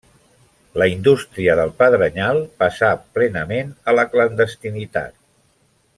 La indústria del pedrenyal passà plenament a la clandestinitat.